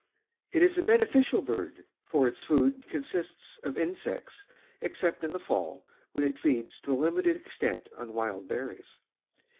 It is a beneficial bird, for its food consists of insects except in the fall when it feeds to a limited extent on wild berries.